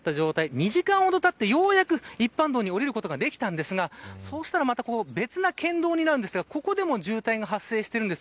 ２時間ほどたってようやく一般道に下りることができたんですがそうしたらまた別な県道になるんですがここでも渋滞が発生しているんです。